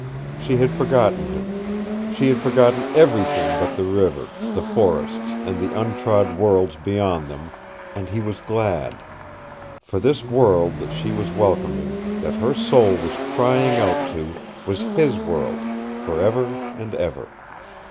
She had forgotten him. She had forgotten everything but the river, the forests, and the untrod worlds beyond them, and he was glad. For this world that she was welcoming, that her soul was crying out to, was his world, for ever and ever.